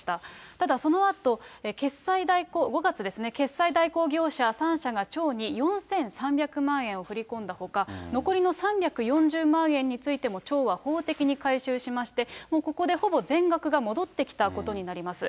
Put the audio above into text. ただ、そのあと、５月、決済代行会社３社が町に４３００万円を振り込んだほか、残りの３４０万円についても町は法的に回収しまして、ここでほぼ全額が戻ってきたことになります。